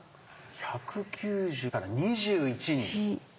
１９０から２１に。